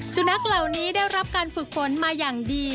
สุนัขเหล่านี้ได้รับการฝึกฝนมาอย่างดี